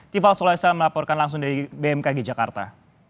tifal solaisa melaporkan langsung dari bmkg jakarta